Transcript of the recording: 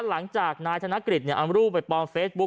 หลังจากนายธนกฤษเอารูปไปปลอมเฟซบุ๊ค